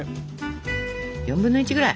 ４分の１ぐらい。